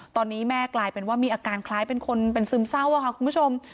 ตอนนี้แม่กลายเป็นว่ามีอาการคล้ายเป็นคนเป็นซึมเศร้าค่ะคุณผู้ชม